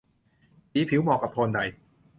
สีผิวเหมาะกับโทนใด